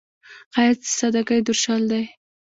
ښایست د سادګۍ درشل دی